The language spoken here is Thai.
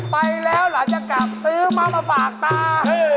ไปแล้วหลังจากกลับซื้อมามาฝากตา